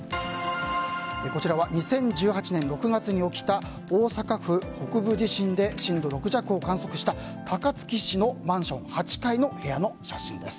こちらは２０１８年６月に起きた大阪府北部地震で震度６弱を観測した高槻市のマンション８階の部屋の写真です。